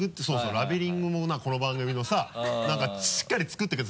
ラベリングもこの番組のさしっかり作ってくれて。